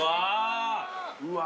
うわ。